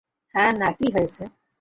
হা-না, কী হয়েছে?